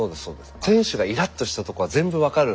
選手がイラッとしたとこは全部分かる。